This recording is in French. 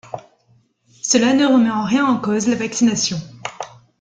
Cela ne remet en rien en cause la vaccination.